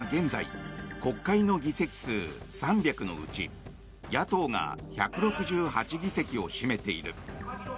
韓国では現在国会の議席数３００のうち野党が１６８議席を占めている。